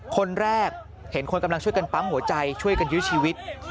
คนแรกเห็นคนกำลังช่วยกันปั๊มหัวใจช่วยกันยื้อชีวิต